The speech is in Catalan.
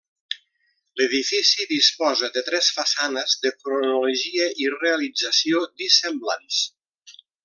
L'edifici disposa de tres façanes de cronologia i realització dissemblants.